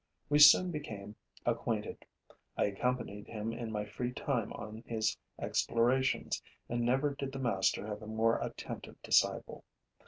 We soon became acquainted. I accompanied him in my free time on his explorations and never did the master have a more attentive disciple.